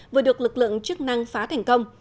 vừa được lực lượng chức năng phá thành công